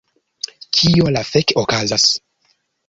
Kio la fek okazas...?